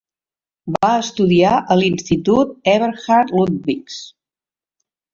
Va estudiar a l"institut Eberhard-Ludwigs.